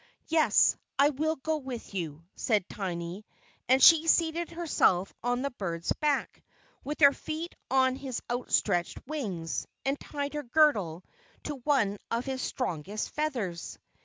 "Yes, I will go with you," said Tiny. And she seated herself on the bird's back, with her feet on his outstretched wings, and tied her girdle to one of his strongest feathers.